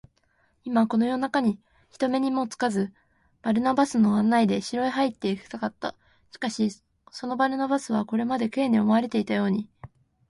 今、この夜なかに、人目にもつかず、バルナバスの案内で城へ入っていきたかった。しかし、そのバルナバスは、これまで Ｋ に思われていたように、